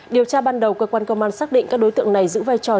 điều tra ban đầu cơ quan công an xác định các đối tượng này giữ vai trò